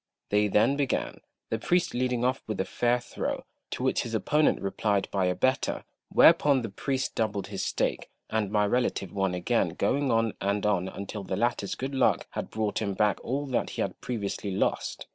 They then began, the priest leading off with a fair throw, to which his opponent replied by a better; whereupon the priest doubled his stake, and my relative won again, going on and on until the latter's good luck had brought him back all that he had previously lost.